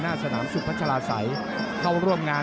สนามสุพัชลาศัยเข้าร่วมงาน